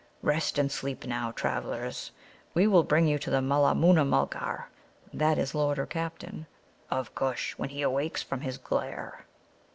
Rest and sleep now, travellers. We will bring you to the Mulla moona mulgar [that is, Lord, or Captain] of Kush when he awakes from his 'glare.'"